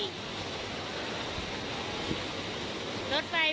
ตั้งแต่มีข่าวพบ